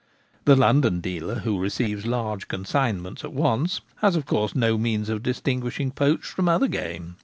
The London dealer, who receives large consignments at once, has of course no means of distinguishing poached from other game.